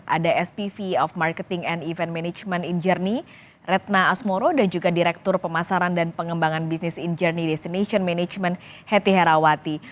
ada spv of marketing and event management injernie retna asmoro dan juga direktur pemasaran dan pengembangan bisnis in journey destination management hetty herawati